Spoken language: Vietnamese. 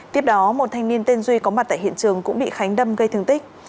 tiếp đó một thanh niên tên duy có mặt tại hiện trường cũng bị khánh đâm gây thương tích